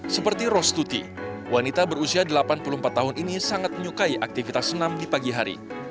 seperti rosetuti wanita berusia delapan puluh empat tahun ini sangat menyukai aktivitas senam di pagi hari